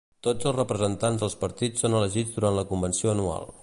Tots els representants dels partits són elegits durant la convenció anual.